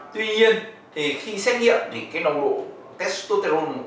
tuy nhiên thì khi xét nghiệm thì cái nồng độ castroterum